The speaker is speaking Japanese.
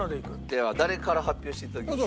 では誰から発表していただけますか？